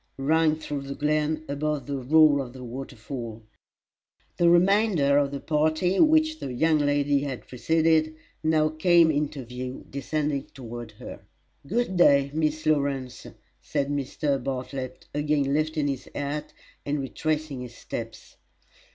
rang through the glen, above the roar of the waterfall. The remainder of the party which the young lady had preceded now came into view descending toward her. "Good day, Miss Lawrence!" said Mr. Bartlett, again lifting his hat, and retracing his steps.